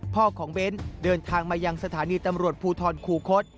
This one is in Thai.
พ่อของเบ้นเดินทางมายังสถานีตำรวจภูทรคูคศ